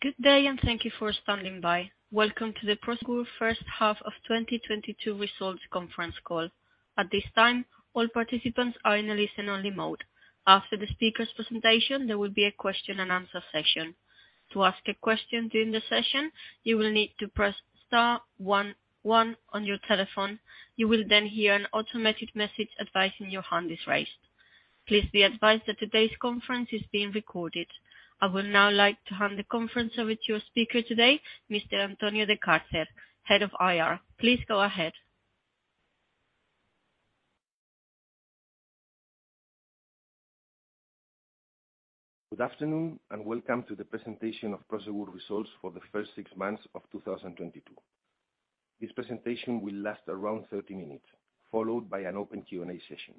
Good day, and thank you for standing by. Welcome to the Prosegur first half of 2022 results conference call. At this time, all participants are in a listen only mode. After the speaker's presentation, there will be a question and answer session. To ask a question during the session, you will need to press star one one on your telephone. You will then hear an automatic message advising your hand is raised. Please be advised that today's conference is being recorded. I would now like to hand the conference over to your speaker today, Mr. Antonio de Cárcer, Head of IR. Please go ahead. Good afternoon, and welcome to the presentation of Prosegur results for the first six months of 2022. This presentation will last around 30 minutes, followed by an open Q&A session.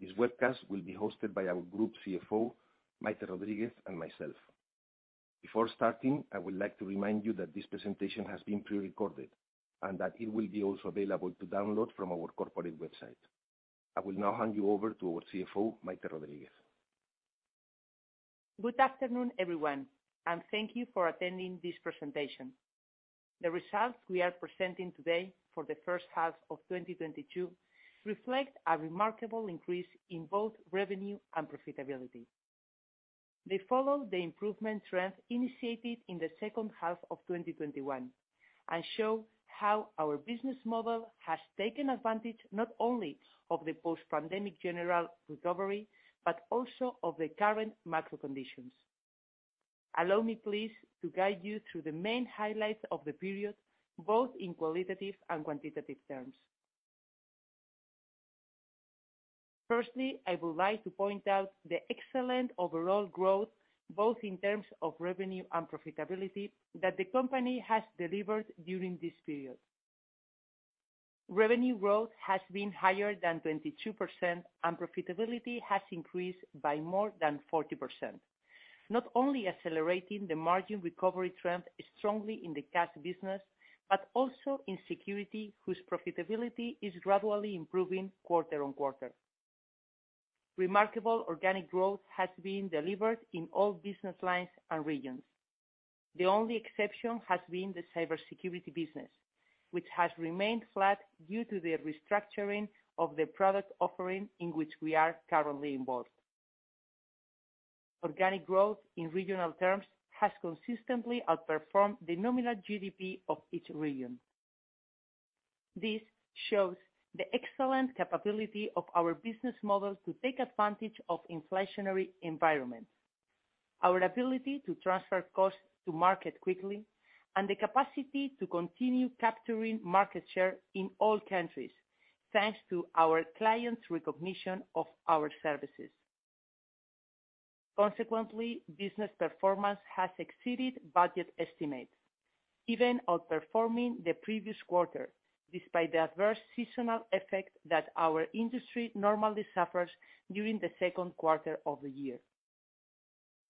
This webcast will be hosted by our Group CFO, Maite Rodríguez, and myself. Before starting, I would like to remind you that this presentation has been pre-recorded and that it will be also available to download from our corporate website. I will now hand you over to our CFO, Maite Rodríguez. Good afternoon, everyone, and thank you for attending this presentation. The results we are presenting today for the first half of 2022 reflect a remarkable increase in both revenue and profitability. They follow the improvement trend initiated in the second half of 2021, and show how our business model has taken advantage not only of the post-pandemic general recovery, but also of the current macro conditions. Allow me please to guide you through the main highlights of the period, both in qualitative and quantitative terms. Firstly, I would like to point out the excellent overall growth, both in terms of revenue and profitability that the company has delivered during this period. Revenue growth has been higher than 22%, and profitability has increased by more than 40%, not only accelerating the margin recovery trend strongly in the cash business, but also in security, whose profitability is gradually improving quarter on quarter. Remarkable organic growth has been delivered in all business lines and regions. The only exception has been the cybersecurity business, which has remained flat due to the restructuring of the product offering in which we are currently involved. Organic growth in regional terms has consistently outperformed the nominal GDP of each region. This shows the excellent capability of our business model to take advantage of inflationary environments, our ability to transfer costs to market quickly, and the capacity to continue capturing market share in all countries, thanks to our clients' recognition of our services. Consequently, business performance has exceeded budget estimates, even outperforming the previous quarter, despite the adverse seasonal effect that our industry normally suffers during the second quarter of the year.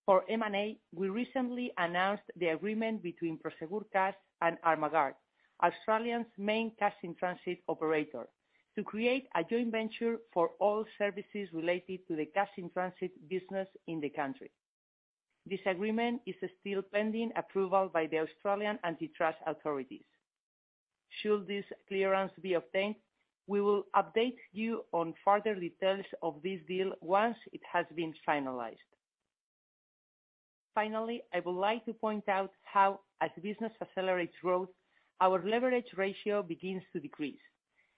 For M&A, we recently announced the agreement between Prosegur Cash and Armaguard, Australia's main cash-in-transit operator, to create a joint venture for all services related to the cash-in-transit business in the country. This agreement is still pending approval by the Australian antitrust authorities. Should this clearance be obtained, we will update you on further details of this deal once it has been finalized. Finally, I would like to point out how, as business accelerates growth, our leverage ratio begins to decrease,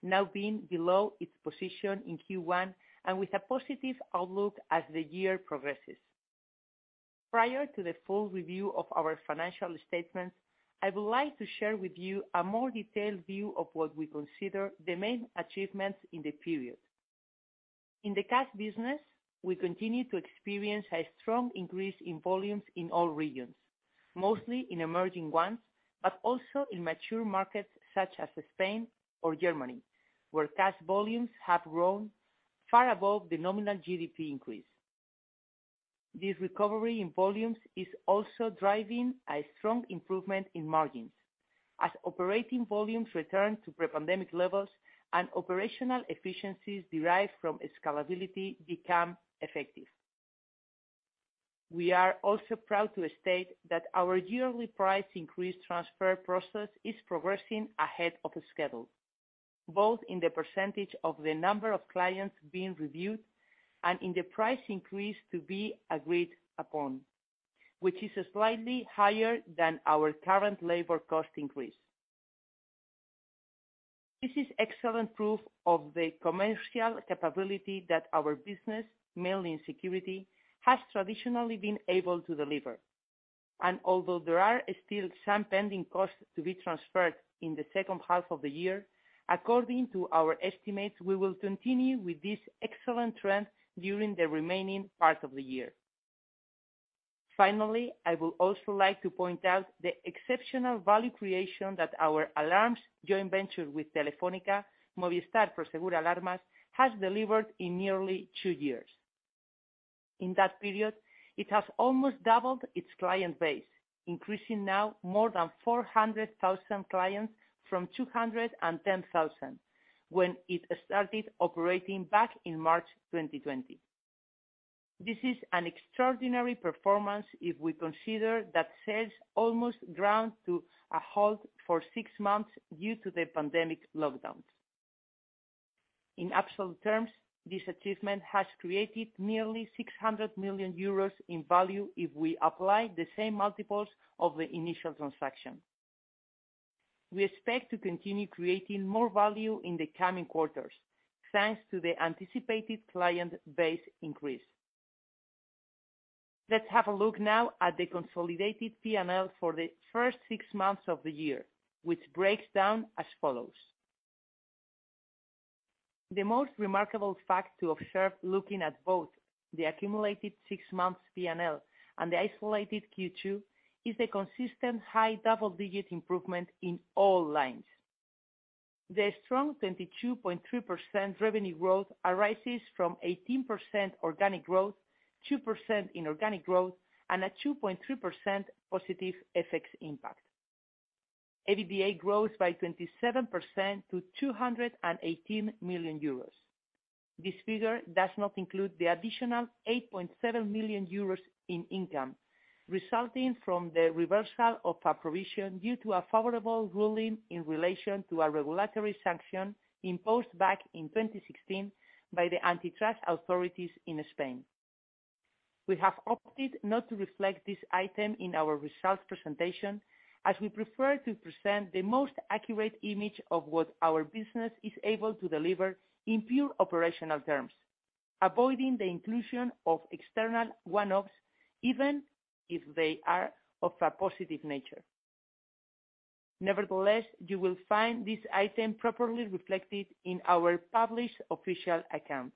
now being below its position in Q1, and with a positive outlook as the year progresses. Prior to the full review of our financial statements, I would like to share with you a more detailed view of what we consider the main achievements in the period. In the cash business, we continue to experience a strong increase in volumes in all regions, mostly in emerging ones, but also in mature markets such as Spain or Germany, where cash volumes have grown far above the nominal GDP increase. This recovery in volumes is also driving a strong improvement in margins as operating volumes return to pre-pandemic levels and operational efficiencies derived from scalability become effective. We are also proud to state that our yearly price increase transfer process is progressing ahead of schedule, both in the percentage of the number of clients being reviewed and in the price increase to be agreed upon, which is slightly higher than our current labor cost increase. This is excellent proof of the commercial capability that our business, mainly in security, has traditionally been able to deliver. Although there are still some pending costs to be transferred in the second half of the year, according to our estimates, we will continue with this excellent trend during the remaining part of the year. Finally, I would also like to point out the exceptional value creation that our alarms joint venture with Telefónica, Movistar Prosegur Alarmas, has delivered in nearly two years. In that period, it has almost doubled its client base, increasing now more than 400,000 clients from 210,000 when it started operating back in March 2020. This is an extraordinary performance if we consider that sales almost ground to a halt for six months due to the pandemic lockdowns. In absolute terms, this achievement has created nearly 600 million euros in value if we apply the same multiples of the initial transaction. We expect to continue creating more value in the coming quarters, thanks to the anticipated client base increase. Let's have a look now at the consolidated PNL for the first six months of the year, which breaks down as follows. The most remarkable fact to observe looking at both the accumulated six months PNL and the isolated Q2 is the consistent high double-digit improvement in all lines. The strong 22.3% revenue growth arises from 18% organic growth, 2% inorganic growth, and a 2.3% positive FX impact. EBITDA grows by 27% to 218 million euros. This figure does not include the additional 8.7 million euros in income resulting from the reversal of a provision due to a favorable ruling in relation to a regulatory sanction imposed back in 2016 by the antitrust authorities in Spain. We have opted not to reflect this item in our results presentation, as we prefer to present the most accurate image of what our business is able to deliver in pure operational terms, avoiding the inclusion of external one-offs, even if they are of a positive nature. Nevertheless, you will find this item properly reflected in our published official accounts.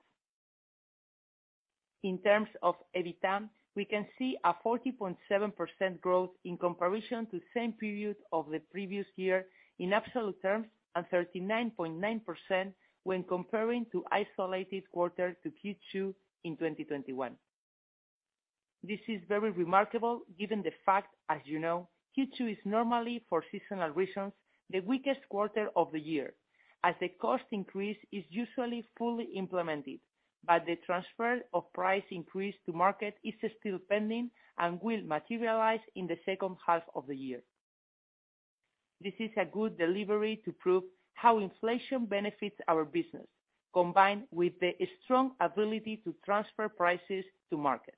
In terms of EBITA, we can see a 40.7% growth in comparison to same period of the previous year in absolute terms, and 39.9% when comparing to isolated quarter to Q2 in 2021. This is very remarkable given the fact, as you know, Q2 is normally for seasonal reasons, the weakest quarter of the year, as the cost increase is usually fully implemented, but the transfer of price increase to market is still pending and will materialize in the second half of the year. This is a good delivery to prove how inflation benefits our business, combined with the strong ability to transfer prices to market.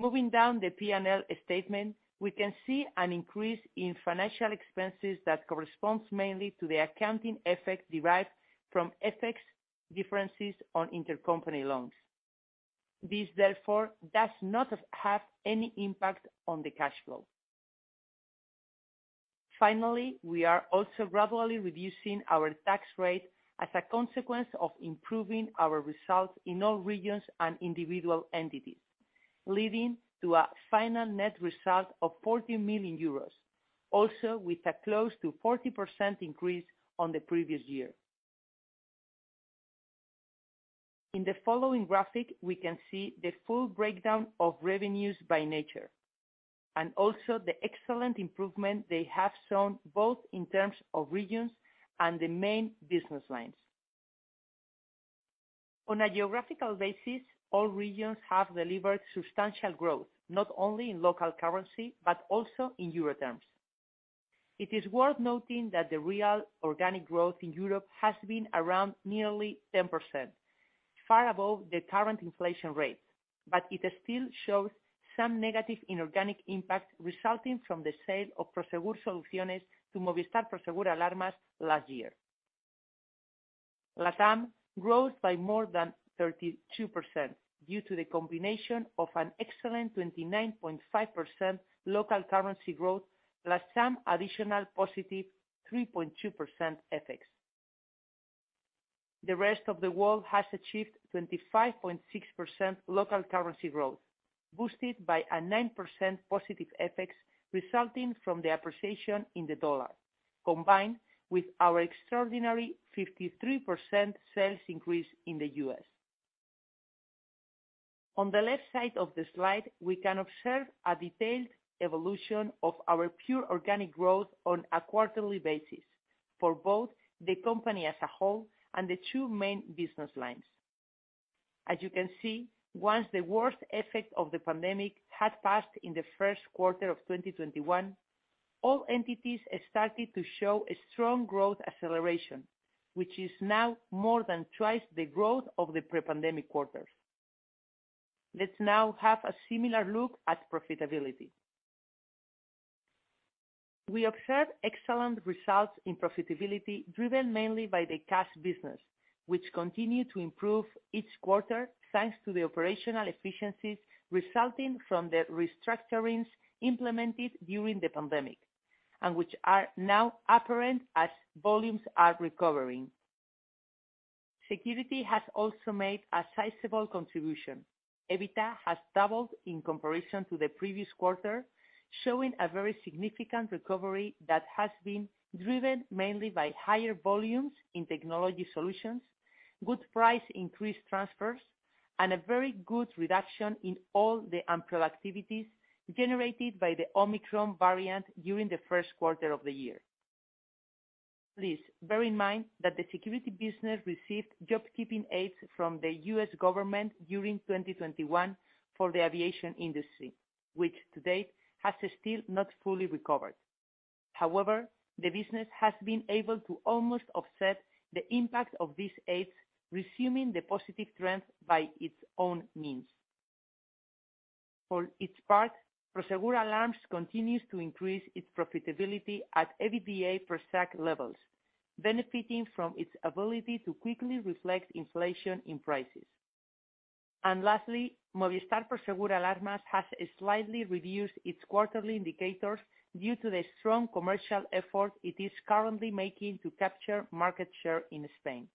Moving down the PNL statement, we can see an increase in financial expenses that corresponds mainly to the accounting effect derived from FX differences on intercompany loans. This, therefore, does not have any impact on the cash flow. Finally, we are also gradually reducing our tax rate as a consequence of improving our results in all regions and individual entities, leading to a final net result of 40 million euros, also with a close to 40% increase on the previous year. In the following graphic, we can see the full breakdown of revenues by nature, and also the excellent improvement they have shown both in terms of regions and the main business lines. On a geographical basis, all regions have delivered substantial growth, not only in local currency, but also in euro terms. It is worth noting that the real organic growth in Europe has been around nearly 10%, far above the current inflation rate, but it still shows some negative inorganic impact resulting from the sale of Prosegur Soluciones to Movistar Prosegur Alarmas last year. Latam grows by more than 32% due to the combination of an excellent 29.5% local currency growth, plus some additional positive 3.2% FX. The rest of the world has achieved 25.6% local currency growth, boosted by a 9% positive FX resulting from the appreciation in the dollar, combined with our extraordinary 53% sales increase in the U.S. On the left side of the slide, we can observe a detailed evolution of our pure organic growth on a quarterly basis for both the company as a whole and the two main business lines. As you can see, once the worst effect of the pandemic had passed in the first quarter of 2021, all entities started to show a strong growth acceleration, which is now more than twice the growth of the pre-pandemic quarters. Let's now have a similar look at profitability. We observed excellent results in profitability driven mainly by the cash business, which continue to improve each quarter thanks to the operational efficiencies resulting from the restructurings implemented during the pandemic, and which are now apparent as volumes are recovering. Security has also made a sizable contribution. EBITA has doubled in comparison to the previous quarter, showing a very significant recovery that has been driven mainly by higher volumes in technology solutions, good price increase transfers, and a very good reduction in all the unproductive activities generated by the Omicron variant during the first quarter of the year. Please bear in mind that the security business received job-keeping aids from the U.S. government during 2021 for the aviation industry, which to date has still not fully recovered. However, the business has been able to almost offset the impact of these aids, resuming the positive trend by its own means. For its part, Prosegur Alarms continues to increase its profitability at EBITDA per-stack levels, benefiting from its ability to quickly reflect inflation in prices. Lastly, Movistar Prosegur Alarmas has slightly reduced its quarterly indicators due to the strong commercial effort it is currently making to capture market share in Spain.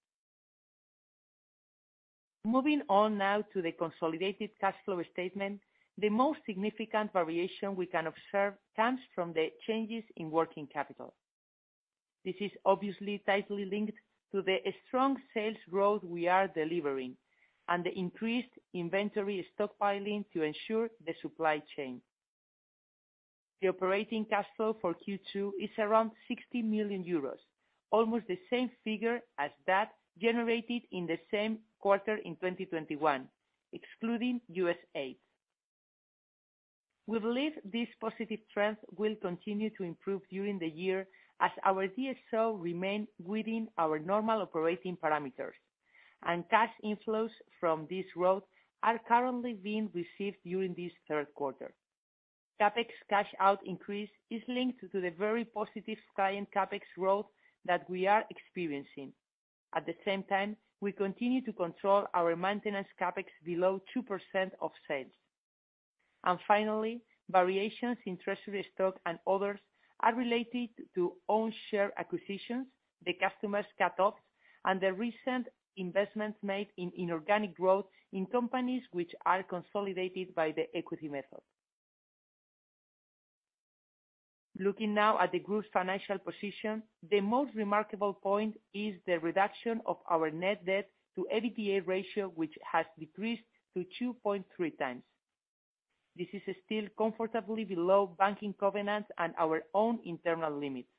Moving on now to the consolidated cash flow statement, the most significant variation we can observe comes from the changes in working capital. This is obviously tightly linked to the strong sales growth we are delivering and the increased inventory stockpiling to ensure the supply chain. The operating cash flow for Q2 is around 60 million euros, almost the same figure as that generated in the same quarter in 2021, excluding USAID. We believe this positive trend will continue to improve during the year as our DSO remain within our normal operating parameters, and cash inflows from abroad are currently being received during this third quarter. CapEx cash out increase is linked to the very positive client CapEx growth that we are experiencing. At the same time, we continue to control our maintenance CapEx below 2% of sales. Finally, variations in treasury stock and others are related to own share acquisitions, the customary cutoff, and the recent investments made in inorganic growth in companies which are consolidated by the equity method. Looking now at the group's financial position, the most remarkable point is the reduction of our net debt to EBITDA ratio, which has decreased to 2.3x. This is still comfortably below banking covenants and our own internal limits,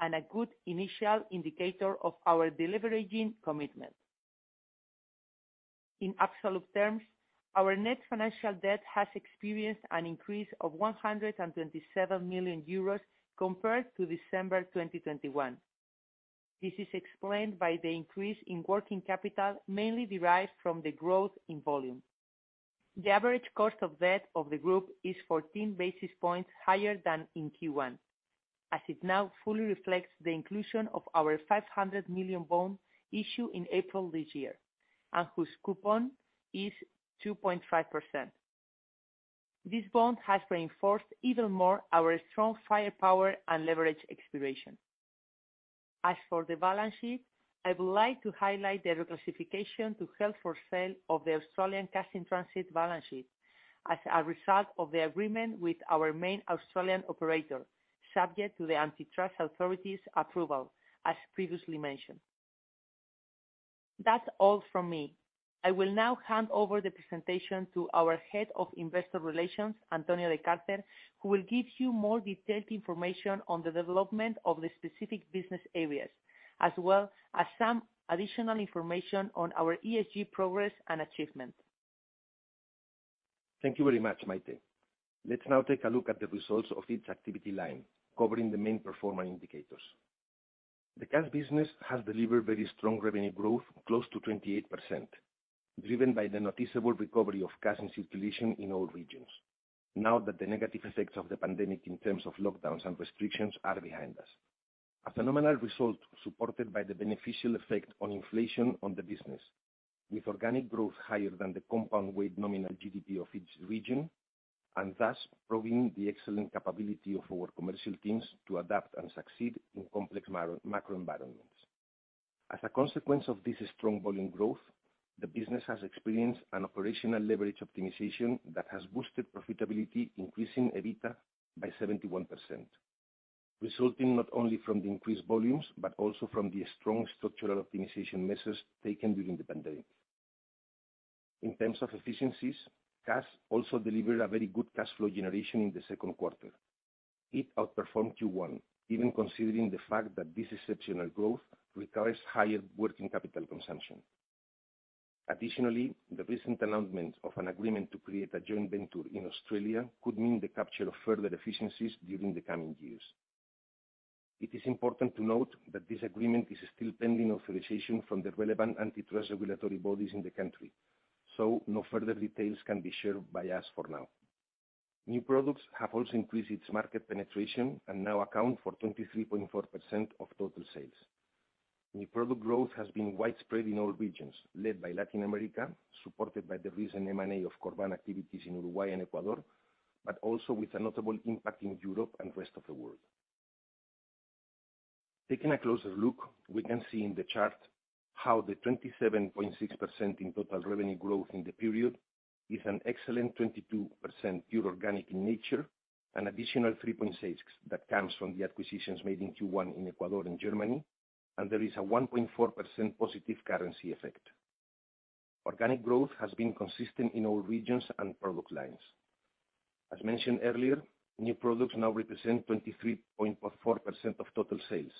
and a good initial indicator of our deleveraging commitment. In absolute terms, our net financial debt has experienced an increase of 127 million euros compared to December 2021. This is explained by the increase in working capital mainly derived from the growth in volume. The average cost of debt of the group is 14 basis points higher than in Q1, as it now fully reflects the inclusion of our 500 million bond issue in April this year, and whose coupon is 2.5%. This bond has reinforced even more our strong firepower and leverage expiration. As for the balance sheet, I would like to highlight the reclassification to hold for sale of the Australian cash-in-transit balance sheet as a result of the agreement with our main Australian operator, subject to the antitrust authority's approval, as previously mentioned. That's all from me. I will now hand over the presentation to our Head of Investor Relations, Antonio de Cárcer, who will give you more detailed information on the development of the specific business areas, as well as some additional information on our ESG progress and achievement. Thank you very much, Maite. Let's now take a look at the results of each activity line, covering the main performance indicators. The cash business has delivered very strong revenue growth, close to 28%, driven by the noticeable recovery of cash in circulation in all regions now that the negative effects of the pandemic in terms of lockdowns and restrictions are behind us. A phenomenal result supported by the beneficial effect of inflation on the business, with organic growth higher than the compounded weighted nominal GDP of each region, and thus proving the excellent capability of our commercial teams to adapt and succeed in complex macro environments. As a consequence of this strong volume growth, the business has experienced an operational leverage optimization that has boosted profitability, increasing EBITDA by 71%, resulting not only from the increased volumes, but also from the strong structural optimization measures taken during the pandemic. In terms of efficiencies, Cash also delivered a very good cash flow generation in the second quarter. It outperformed Q1, even considering the fact that this exceptional growth requires higher working capital consumption. Additionally, the recent announcement of an agreement to create a joint venture in Australia could mean the capture of further efficiencies during the coming years. It is important to note that this agreement is still pending authorization from the relevant antitrust regulatory bodies in the country, so no further details can be shared by us for now. New products have also increased its market penetration and now account for 23.4% of total sales. New product growth has been widespread in all regions, led by Latin America, supported by the recent M&A of Corban activities in Uruguay and Ecuador, but also with a notable impact in Europe and rest of the world. Taking a closer look, we can see in the chart how the 27.6% in total revenue growth in the period is an excellent 22% pure organic in nature, an additional 3.6 that comes from the acquisitions made in Q1 in Ecuador and Germany, and there is a 1.4% positive currency effect. Organic growth has been consistent in all regions and product lines. As mentioned earlier, new products now represent 23.4% of total sales,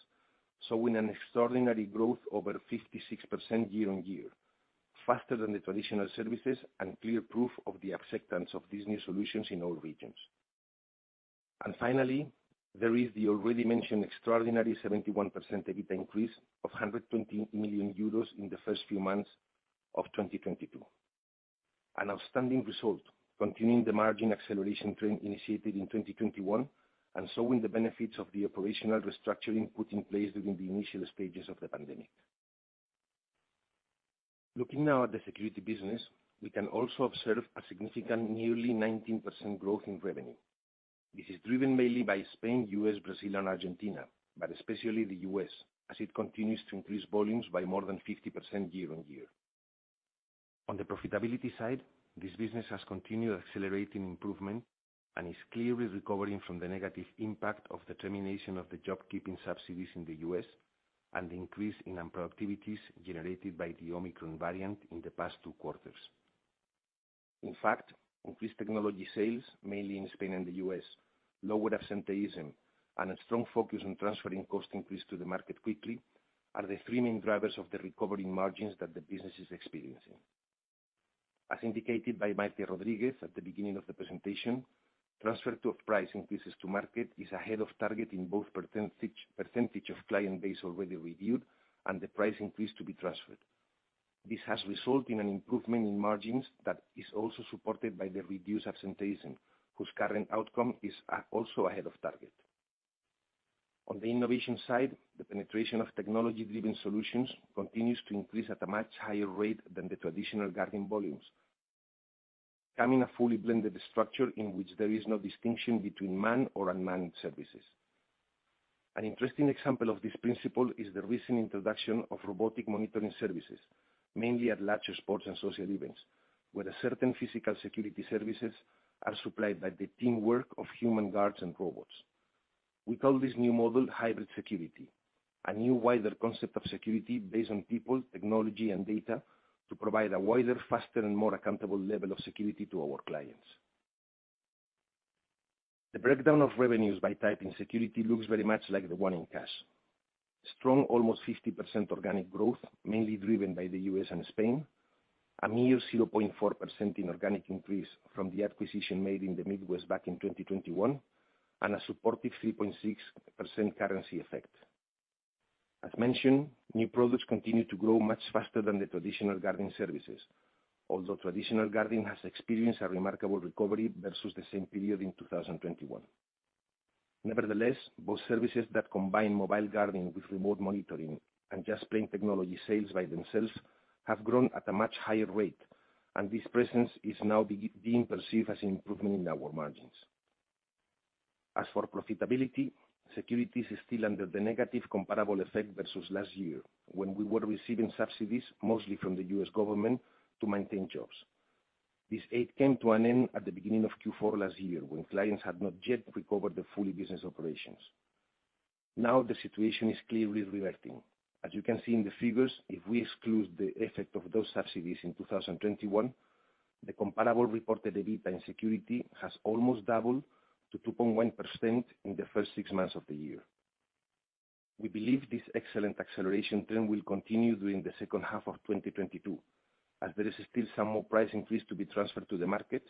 showing an extraordinary growth over 56% year-on-year, faster than the traditional services and clear proof of the acceptance of these new solutions in all regions. Finally, there is the already mentioned extraordinary 71% EBITDA increase of 120 million euros in the first few months of 2022. An outstanding result continuing the margin acceleration trend initiated in 2021, and showing the benefits of the operational restructuring put in place during the initial stages of the pandemic. Looking now at the security business, we can also observe a significant nearly 19% growth in revenue. This is driven mainly by Spain, U.S., Brazil, and Argentina, but especially the U.S., as it continues to increase volumes by more than 50% year-on-year. On the profitability side, this business has continued accelerating improvement, and is clearly recovering from the negative impact of the termination of the job keeping subsidies in the U.S., and the increase in unproductivities generated by the Omicron variant in the past two quarters. In fact, increased technology sales, mainly in Spain and the U.S., lower absenteeism, and a strong focus on transferring cost increase to the market quickly are the three main drivers of the recovery margins that the business is experiencing. As indicated by Maite Rodríguez at the beginning of the presentation, transfer of price increases to market is ahead of target in both percentage of client base already reviewed and the price increase to be transferred. This has resulted in an improvement in margins that is also supported by the reduced absenteeism, whose current outcome is also ahead of target. On the innovation side, the penetration of technology-driven solutions continues to increase at a much higher rate than the traditional guarding volumes, becoming a fully blended structure in which there is no distinction between manned or unmanned services. An interesting example of this principle is the recent introduction of robotic monitoring services, mainly at larger sports and social events, where certain physical security services are supplied by the teamwork of human guards and robots. We call this new model hybrid security, a new, wider concept of security based on people, technology, and data to provide a wider, faster, and more accountable level of security to our clients. The breakdown of revenues by type in security looks very much like the one in cash. Strong, almost 50% organic growth, mainly driven by the U.S. and Spain, a mere 0.4% in organic increase from the acquisition made in the Midwest back in 2021, and a supportive 3.6% currency effect. As mentioned, new products continue to grow much faster than the traditional guarding services, although traditional guarding has experienced a remarkable recovery versus the same period in 2021. Nevertheless, both services that combine mobile guarding with remote monitoring and just plain technology sales by themselves have grown at a much higher rate, and this presence is now being perceived as an improvement in our margins. As for profitability, security is still under the negative comparable effect versus last year when we were receiving subsidies, mostly from the U.S. government, to maintain jobs. This aid came to an end at the beginning of Q4 last year, when clients had not yet recovered the full business operations. Now the situation is clearly reverting. As you can see in the figures, if we exclude the effect of those subsidies in 2021, the comparable reported EBITDA in security has almost doubled to 2.1% in the first six months of the year. We believe this excellent acceleration trend will continue during the second half of 2022, as there is still some more price increase to be transferred to the market,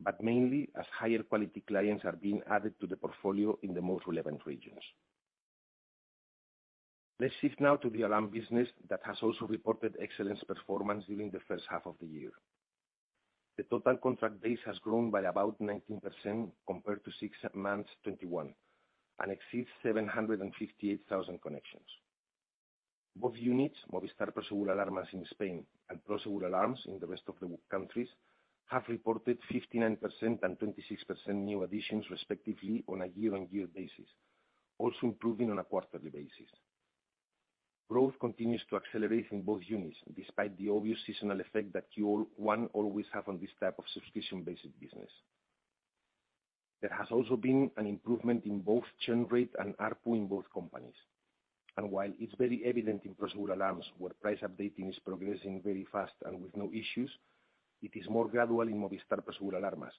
but mainly as higher quality clients are being added to the portfolio in the most relevant regions. Let's shift now to the alarm business that has also reported excellent performance during the first half of the year. The total contract base has grown by about 19% compared to six months 2021, and exceeds 758,000 connections. Both units, Movistar Prosegur Alarmas in Spain and Prosegur Alarms in the rest of the countries, have reported 59% and 26% new additions respectively on a year-on-year basis, also improving on a quarterly basis. Growth continues to accelerate in both units, despite the obvious seasonal effect that Q1 always have on this type of subscription-based business. There has also been an improvement in both churn rate and ARPU in both companies. While it's very evident in Prosegur Alarms, where price updating is progressing very fast and with no issues, it is more gradual in Movistar Prosegur Alarmas,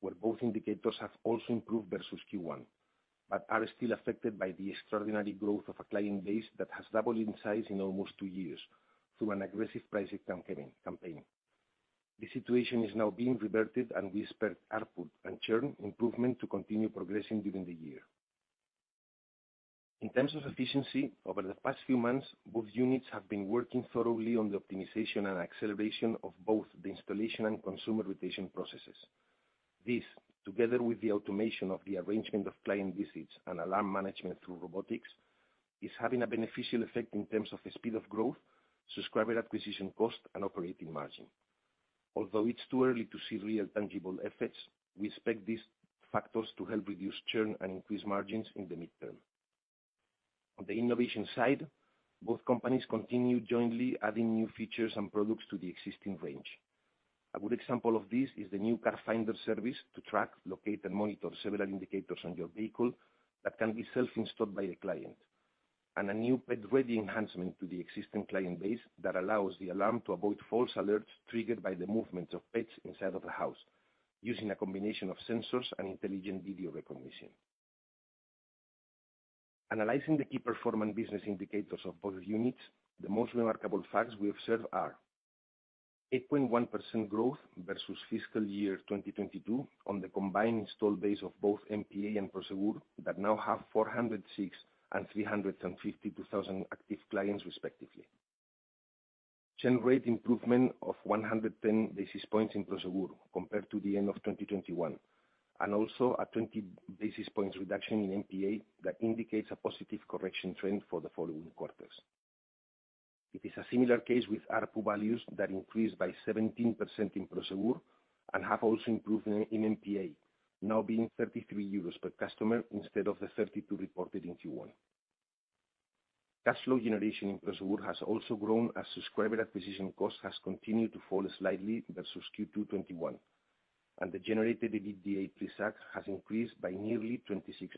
where both indicators have also improved versus Q1, but are still affected by the extraordinary growth of a client base that has doubled in size in almost two years through an aggressive pricing campaign. The situation is now being reverted and we expect ARPU and churn improvement to continue progressing during the year. In terms of efficiency, over the past few months, both units have been working thoroughly on the optimization and acceleration of both the installation and consumer rotation processes. This, together with the automation of the arrangement of client visits and alarm management through robotics, is having a beneficial effect in terms of the speed of growth, subscriber acquisition cost, and operating margin. Although it's too early to see real tangible effects, we expect these factors to help reduce churn and increase margins in the midterm. On the innovation side, both companies continue jointly adding new features and products to the existing range. A good example of this is the new Car Finder service to track, locate, and monitor several indicators on your vehicle that can be self-installed by the client. A new pet-ready enhancement to the existing client base that allows the alarm to avoid false alerts triggered by the movements of pets inside of the house, using a combination of sensors and intelligent video recognition. Analyzing the key performance business indicators of both units, the most remarkable facts we observe are 8.1% growth versus fiscal year 2022 on the combined install base of both MPA and Prosegur that now have 406,000 and 352,000 active clients respectively. Churn rate improvement of 110 basis points in Prosegur compared to the end of 2021, and also a 20 basis points reduction in MPA that indicates a positive correction trend for the following quarters. It is a similar case with ARPU values that increased by 17% in Prosegur and have also improved in MPA, now being 33 euros per customer instead of the 32 EUR reported in Q1. Cash flow generation in Prosegur has also grown as subscriber acquisition cost has continued to fall slightly versus Q2 2021, and the generated EBITDA pre tax has increased by nearly 26%.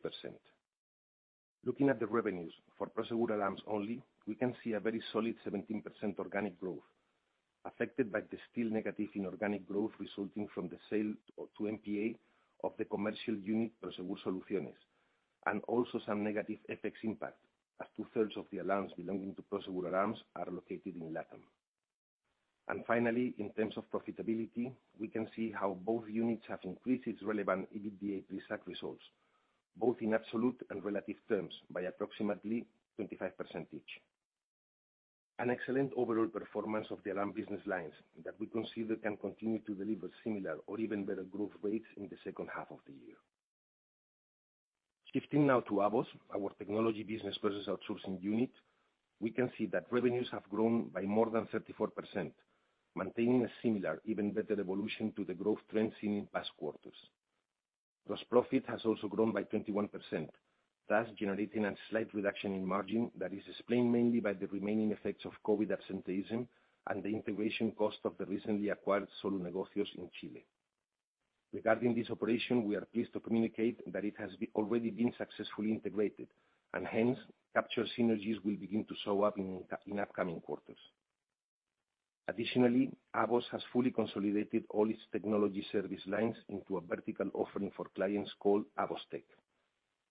Looking at the revenues for Prosegur Alarms only, we can see a very solid 17% organic growth, affected by the still negative inorganic growth resulting from the sale of two MPA of the commercial unit, Prosegur Soluciones, and also some negative FX impact, as two-thirds of the alarms belonging to Prosegur Alarms are located in LATAM. Finally, in terms of profitability, we can see how both units have increased its relevant EBITDA pre tax results, both in absolute and relative terms, by approximately 25% each. An excellent overall performance of the alarm business lines that we consider can continue to deliver similar or even better growth rates in the second half of the year. Shifting now to AVOS, our technology business process outsourcing unit, we can see that revenues have grown by more than 34%, maintaining a similar, even better evolution to the growth trends seen in past quarters. Gross profit has also grown by 21%, thus generating a slight reduction in margin that is explained mainly by the remaining effects of COVID absenteeism and the integration cost of the recently acquired Solunegocios in Chile. Regarding this operation, we are pleased to communicate that it has already been successfully integrated, and hence, capture synergies will begin to show up in upcoming quarters. Additionally, AVOS has fully consolidated all its technology service lines into a vertical offering for clients called AVOS Tech,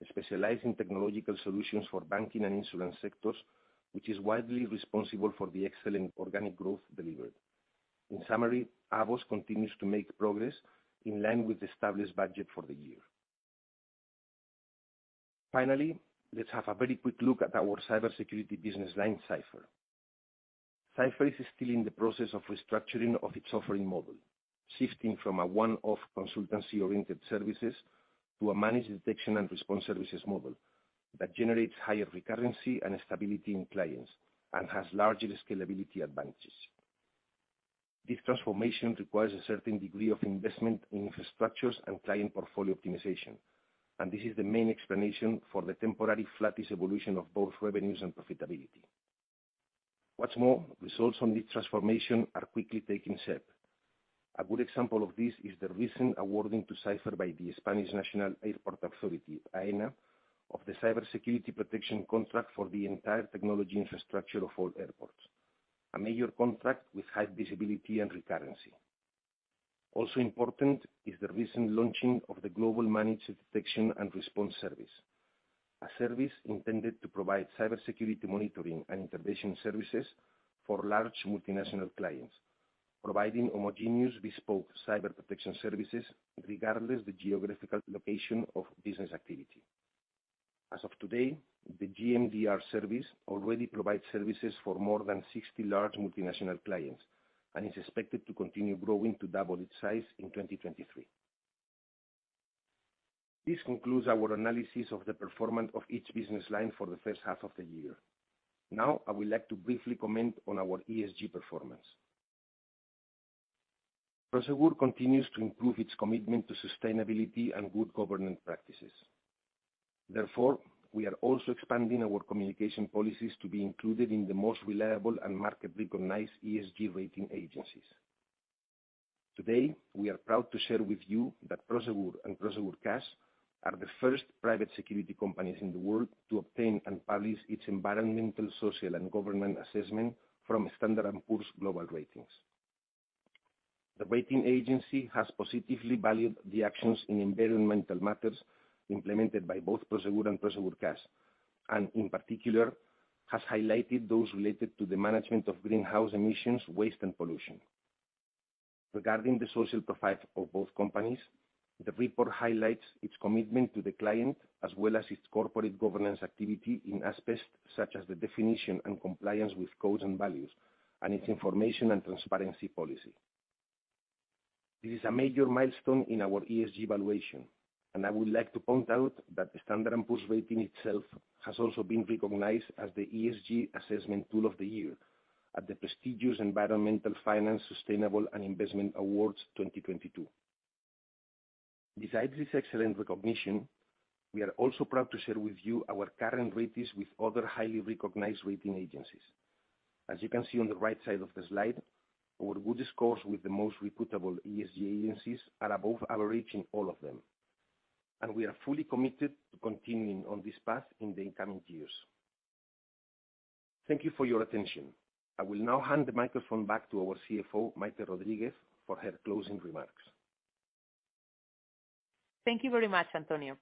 specialized in technological solutions for banking and insurance sectors, which is widely responsible for the excellent organic growth delivered. In summary, AVOS continues to make progress in line with established budget for the year. Finally, let's have a very quick look at our cybersecurity business line, Cipher. Cipher is still in the process of restructuring of its offering model, shifting from a one-off consultancy-oriented services to a managed detection and response services model that generates higher recurrency and stability in clients and has larger scalability advantages. This transformation requires a certain degree of investment in infrastructures and client portfolio optimization, and this is the main explanation for the temporary flattish evolution of both revenues and profitability. What's more, results on this transformation are quickly taking shape. A good example of this is the recent awarding to Cipher by the Spanish National Airport Authority, Aena, of the cybersecurity protection contract for the entire technology infrastructure of all airports, a major contract with high visibility and recurrency. Also important is the recent launching of the Global Managed Detection and Response service, a service intended to provide cybersecurity monitoring and intervention services for large multinational clients, providing homogeneous bespoke cyber protection services regardless of the geographical location of business activity. As of today, the GMDR service already provides services for more than 60 large multinational clients, and is expected to continue growing to double its size in 2023. This concludes our analysis of the performance of each business line for the first half of the year. Now, I would like to briefly comment on our ESG performance. Prosegur continues to improve its commitment to sustainability and good governance practices. Therefore, we are also expanding our communication policies to be included in the most reliable and market-recognized ESG rating agencies. Today, we are proud to share with you that Prosegur and Prosegur Cash are the first private security companies in the world to obtain and publish its environmental, social, and governance assessment from S&P Global Ratings. The rating agency has positively valued the actions in environmental matters implemented by both Prosegur and Prosegur Cash, and in particular, has highlighted those related to the management of greenhouse emissions, waste, and pollution. Regarding the social profile of both companies, the report highlights its commitment to the client, as well as its corporate governance activity in aspects such as the definition and compliance with codes and values, and its information and transparency policy. This is a major milestone in our ESG valuation, and I would like to point out that the Standard & Poor's rating itself has also been recognized as the ESG assessment tool of the year at the prestigious Environmental Finance Sustainable Investment Awards 2022. Besides this excellent recognition, we are also proud to share with you our current ratings with other highly recognized rating agencies. As you can see on the right side of the slide, our good scores with the most reputable ESG agencies are above average in all of them, and we are fully committed to continuing on this path in the incoming years. Thank you for your attention. I will now hand the microphone back to our CFO, Maite Rodríguez, for her closing remarks. Thank you very much, Antonio.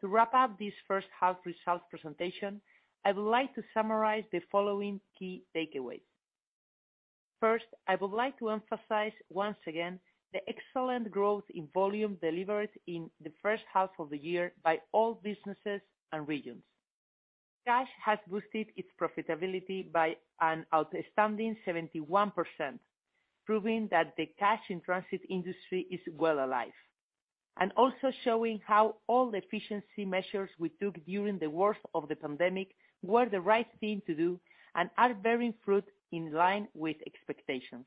To wrap up this first half results presentation, I would like to summarize the following key takeaways. First, I would like to emphasize once again the excellent growth in volume delivered in the first half of the year by all businesses and regions. Cash has boosted its profitability by an outstanding 71%, proving that the cash-in-transit industry is alive and well. Also showing how all the efficiency measures we took during the worst of the pandemic were the right thing to do and are bearing fruit in line with expectations.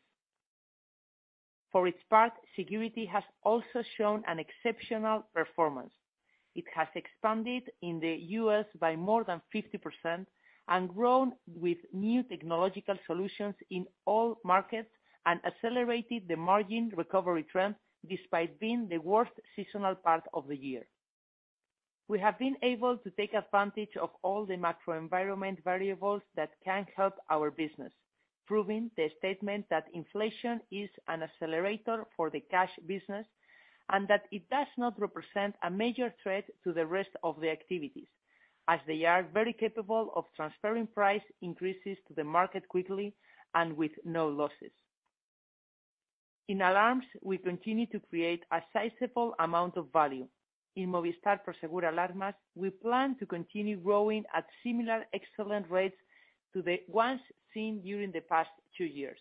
For its part, Security has also shown an exceptional performance. It has expanded in the U.S. by more than 50% and grown with new technological solutions in all markets and accelerated the margin recovery trend despite being the worst seasonal part of the year. We have been able to take advantage of all the macroenvironment variables that can help our business, proving the statement that inflation is an accelerator for the cash business and that it does not represent a major threat to the rest of the activities, as they are very capable of transferring price increases to the market quickly and with no losses. In Alarms, we continue to create a sizable amount of value. In Movistar Prosegur Alarmas, we plan to continue growing at similar excellent rates to the ones seen during the past two years.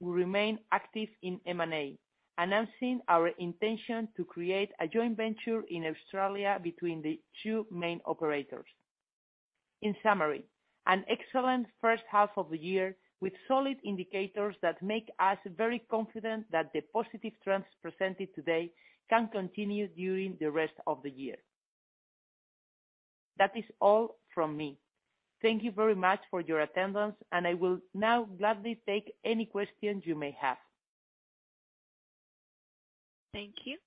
We remain active in M&A, announcing our intention to create a joint venture in Australia between the two main operators. In summary, an excellent first half of the year with solid indicators that make us very confident that the positive trends presented today can continue during the rest of the year. That is all from me. Thank you very much for your attendance, and I will now gladly take any questions you may have. Thank you.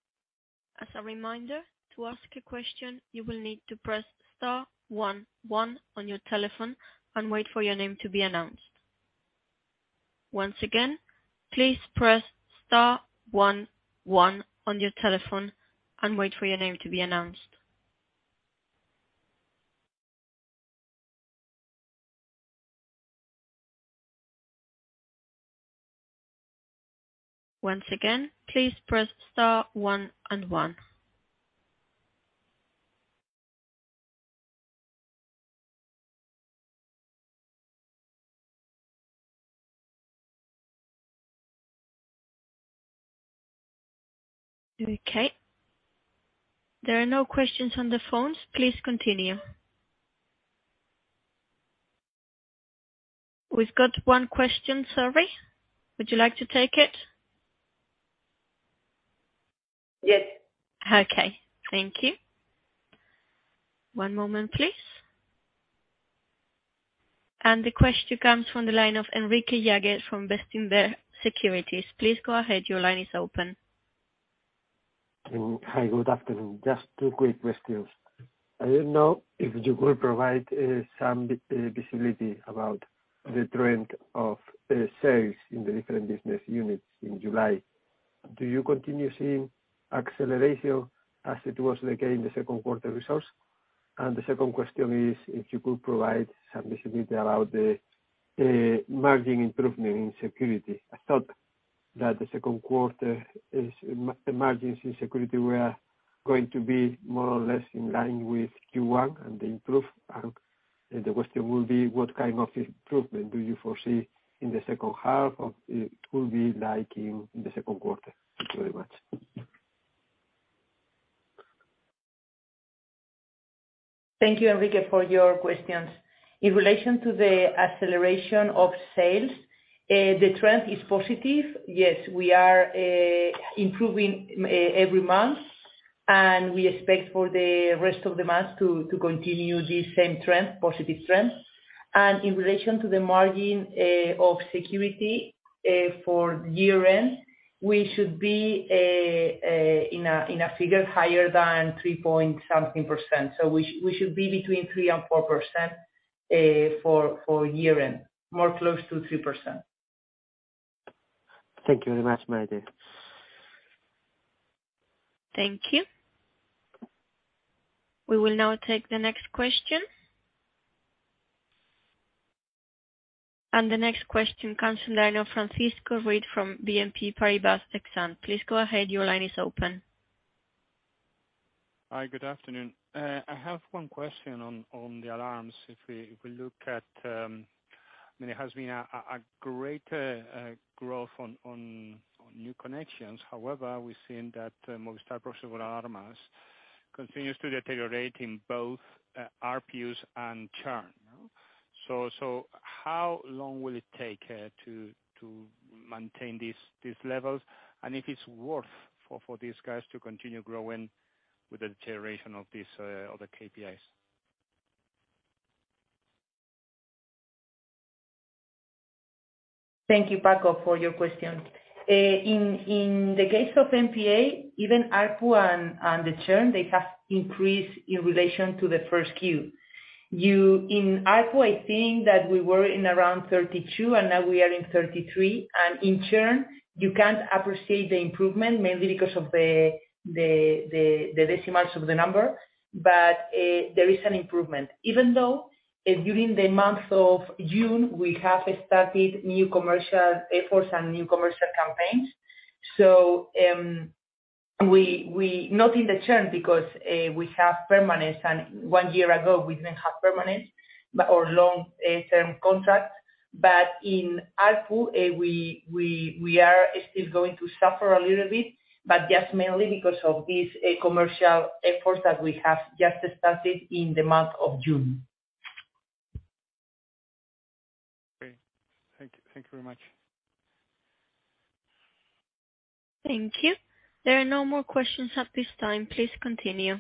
As a reminder, to ask a question, you will need to press star one one on your telephone and wait for your name to be announced. Once again, please press star one one on your telephone and wait for your name to be announced. Once again, please press star one and one. Okay. There are no questions on the phones. Please continue. We've got one question, sorry. Would you like to take it? Yes. Okay. Thank you. One moment, please. The question comes from the line of Enrique Yágüez from Bestinver Securities. Please go ahead. Your line is open. Hi. Good afternoon. Just two quick questions. I don't know if you could provide some visibility about the trend of sales in the different business units in July. Do you continue seeing acceleration as it was the case in the second quarter results? The second question is if you could provide some visibility about the margin improvement in security. I thought that the second quarter is the margins in security were going to be more or less in line with Q1 and the improve. The question will be: What kind of improvement do you foresee in the second half? It will be like in the second quarter? Thank you very much. Thank you, Enrique, for your questions. In relation to the acceleration of sales, the trend is positive. Yes, we are improving every month, and we expect for the rest of the months to continue this same trend, positive trend. In relation to the margin of security, for year-end, we should be in a figure higher than 3.something%. We should be between 3%-4% for year-end, more close to 3%. Thank you very much, Maite. Thank you. We will now take the next question. The next question comes from the line of Francisco Ruiz from BNP Paribas Exane. Please go ahead. Your line is open. Hi. Good afternoon. I have one question on the alarms. If we look at, I mean, it has been a greater growth on new connections. However, we've seen that Movistar Prosegur Alarmas continues to deteriorate in both ARPU and churn, no? How long will it take to maintain these levels? And if it's worth for these guys to continue growing with the deterioration of these other KPIs. Thank you, Paco, for your question. In the case of MPA, even ARPU and the churn, they have increased in relation to the first Q. In ARPU, I think that we were in around 32, and now we are in 33. In churn, you can't appreciate the improvement, mainly because of the decimals of the number. There is an improvement. Even though, during the month of June, we have started new commercial efforts and new commercial campaigns. Not in the churn because we have permanence, and one year ago we didn't have permanence, or long-term contracts. In ARPU, we are still going to suffer a little bit, but just mainly because of these commercial efforts that we have just started in the month of June. Great. Thank you very much. Thank you. There are no more questions at this time. Please continue.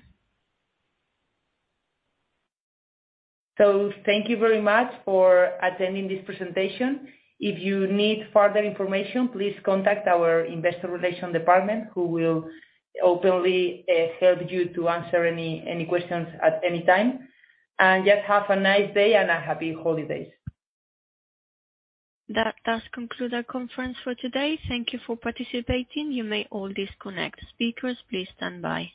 Thank you very much for attending this presentation. If you need further information, please contact our Investor Relation Department, who will openly help you to answer any questions at any time. Just have a nice day and a happy holidays. That does conclude our conference for today. Thank you for participating. You may all disconnect. Speakers, please stand by.